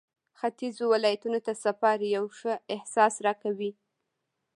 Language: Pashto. ختيځو ولایتونو ته سفر یو ښه احساس راکوي.